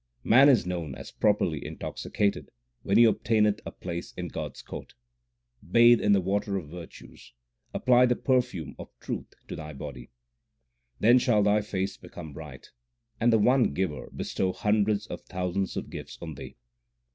Man is known as properly intoxicated when he obtaineth a place in God s court. Bathe in the water of virtues ; apply the perfume of truth to thy body ; Then shall thy face become bright, and the One Giver bestow hundreds of thousands of gifts on ihee.